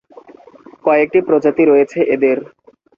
কয়েকটি প্রজাতি রয়েছে এদের।